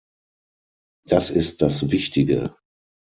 Das ist das Wichtige.